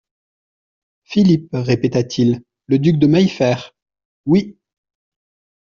Philippe, répéta-t-il, le duc de Maillefert ?… Oui.